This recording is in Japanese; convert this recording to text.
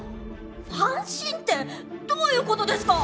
ファンシンってどういうことですか？